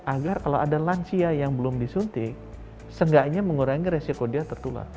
agar kalau ada lansia yang belum disuntik seenggaknya mengurangi resiko dia tertular